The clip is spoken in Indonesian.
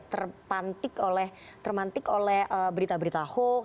terpantik oleh berita berita hoax